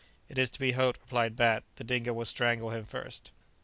"It is to be hoped," replied Bat, "that Dingo will strangle him first."